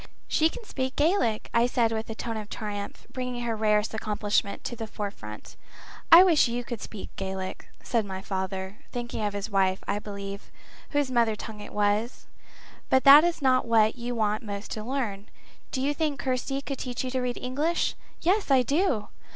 "She can speak Gaelic," I said with a tone of triumph, bringing her rarest accomplishment to the forefront. "I wish you could speak Gaelic," said my father, thinking of his wife, I believe, whose mother tongue it was. "But that is not what you want most to learn. Do you think Kirsty could teach you to read English?" "Yes, I do."